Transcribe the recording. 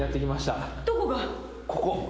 ここ。